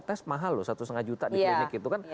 tes mahal loh satu lima juta di klinik itu kan